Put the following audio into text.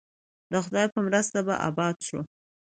د خدای په مرسته به اباد شو؟